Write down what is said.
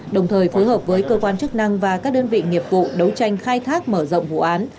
đồng thời phối hợp với cơ quan chức năng và các đơn vị nghiệp vụ đấu tranh khai thác mở rộng vụ án